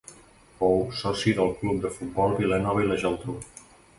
Fou soci del Club de Futbol Vilanova i la Geltrú.